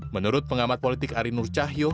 menurut pengamat politik ari nur cahyo